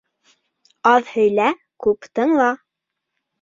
Аҙ һөйлә, күп тыңла.